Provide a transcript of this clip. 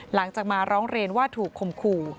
หลังจากมาร้องเรียนว่าถูกคมขู่